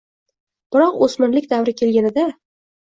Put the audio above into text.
Biroq o‘smirlik davri kelganida